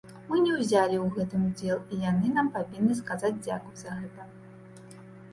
Мы не ўзялі ў гэтым удзел, і яны нам павінны сказаць дзякуй за гэта.